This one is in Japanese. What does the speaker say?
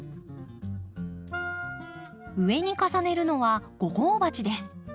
上に重ねるのは５号鉢です。